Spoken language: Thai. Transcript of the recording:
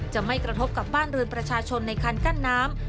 จะไม่กระทบกับบ้านเรือนประชาชนในคันกั้นน้ำ